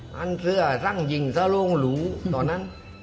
นั่นเสื้อสร้างยิงเสร่าลงหนุก็ตอนนั้น